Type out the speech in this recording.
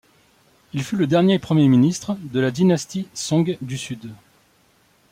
Il fut le dernier Premier ministre de la dynastie Song du Sud.